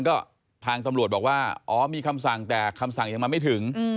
ก็ทางตำรวจบอกว่าอ๋อมีคำสั่งแต่คำสั่งยังมาไม่ถึง